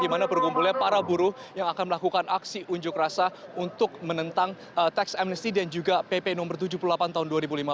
dan saya berkata apa hubungan antara para buruh yang akan melakukan aksi unjuk rasa untuk menentang teks amnesti dan juga pp no tujuh puluh delapan tahun dua ribu lima belas